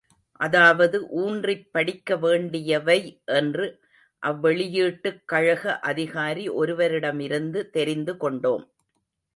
அதாவது ஊன்றிப் படிக்க வேண்டியவை என்று அவ்வெளியீட்டுக் கழக அதிகாரி ஒருவரிடமிருந்து தெரிந்து கொண்டோம்.